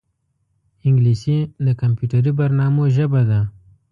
انګلیسي د کمپیوټري برنامو ژبه ده